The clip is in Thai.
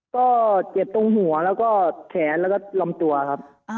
ก็เจ็บตรงหัวแล้วก็แขนแล้วก็ลำตัวครับ